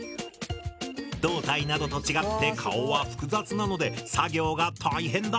胴体などと違って顔は複雑なので作業が大変だ。